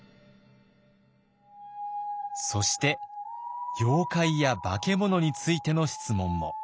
そして妖怪や化け物についての質問も。